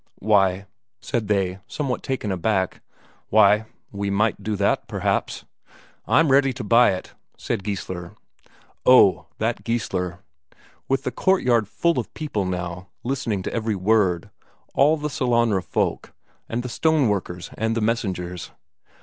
"Why," said they, somewhat taken aback "why, we might do that, perhaps." "I'm ready to buy it," said Geissler. Oh, that Geissler! With the courtyard full of people now, listening to every word; all the Sellanraa folk, and the stoneworkers and the messengers.